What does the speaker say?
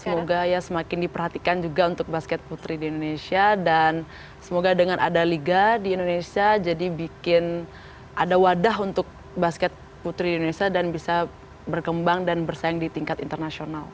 semoga ya semakin diperhatikan juga untuk basket putri di indonesia dan semoga dengan ada liga di indonesia jadi bikin ada wadah untuk basket putri indonesia dan bisa berkembang dan bersaing di tingkat internasional